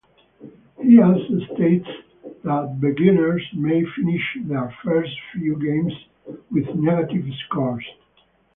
He also states that beginners may finish their first few games with negative scores.